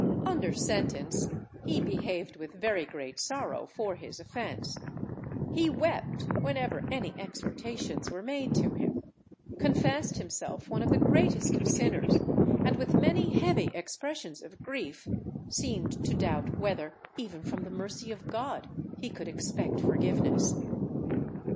Under sentence he behaved with very great sorrow for his offence; he wept whenever any exhortations were made to him, confessed himself one of the greatest of sinners, and with many heavy expressions of grief, seemed to doubt whether even from the mercy of God he could expect forgiveness.